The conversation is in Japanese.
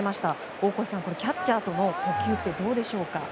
大越さん、キャッチャーとの呼吸ってどうでしょうか？